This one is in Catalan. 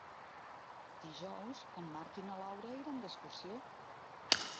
Dijous en Marc i na Laura iran d'excursió.